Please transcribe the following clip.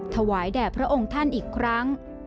ถวายแด่พระองค์ท่านอีกครั้ง